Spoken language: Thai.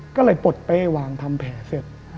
ก็เลยปลดเป้วางทำแผลเสร็จ